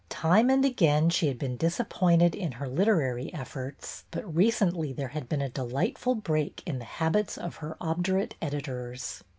Time and again she had been disappointed in her literary efforts, but re cently there had been a delightful break in the habits of her obdurate editors.